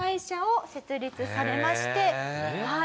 はい。